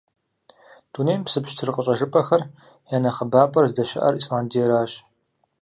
Дунейм псы пщтыр къыщӀэжыпӀэхэм я нэхъыбапӀэр здэщыӀэр Исландиеращ.